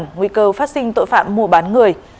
giảm nguy cơ phát sinh tội phạm mùa bán người